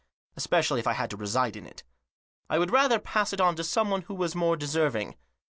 Especially if I had to reside in it. I would rather pass it on to someone who was more deserving.